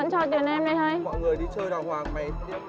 chị ơi chị ơi em không thấy đâu chị ạ